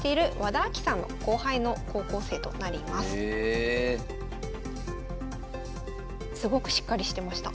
すごくしっかりしてました。